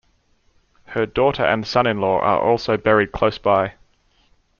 Her daughter and son-in-law are also buried close by.